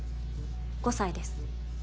５歳です。